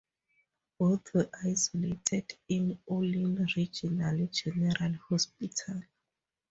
Both were isolated in Ulin Regional General Hospital.